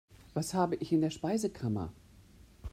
Was habe ich in der Speisekammer?